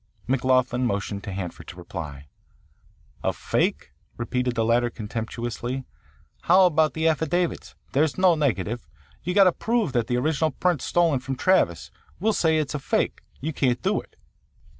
McLoughlin motioned to Hanford to reply. "A fake?" repeated the latter contemptuously. "How about the affidavits? There's no negative. You've got to prove that the original print stolen from Travis, we'll say, is a fake. You can't do it."